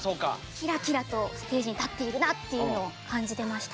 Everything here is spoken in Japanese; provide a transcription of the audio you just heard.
キラキラとステージに立っているなっていうのを感じてました。